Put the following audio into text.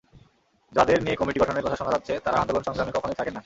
যাঁদের নিয়ে কমিটি গঠনের কথা শোনা যাচ্ছে, তাঁরা আন্দোলন-সংগ্রামে কখনোই থাকেন না।